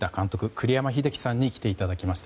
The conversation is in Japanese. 栗山英樹さんに来ていただきました。